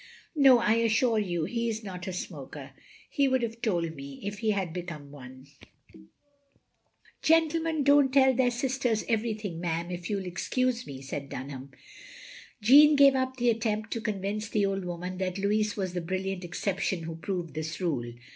"No, I assure you he is not a smoker. He would have told me, if he had become one. " 6 82 :THE lonely LADY "Gentlemen don't tell their sisters every thing, ma'am, if you '11 excuse me," said Dunham. Jeanne gave up the attempt to convince the old woman that Louis was the brilliant exception who proved this rule.